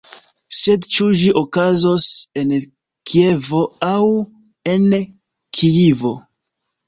Sed ĉu ĝi okazos en Kievo aŭ en Kijivo?